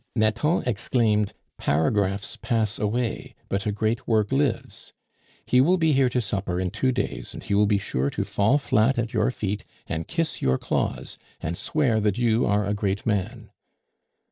"Nathan exclaimed, 'Paragraphs pass away; but a great work lives!' He will be here to supper in two days, and he will be sure to fall flat at your feet, and kiss your claws, and swear that you are a great man."